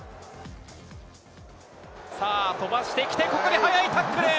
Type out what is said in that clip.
飛ばしてきて、ここで速いタックル！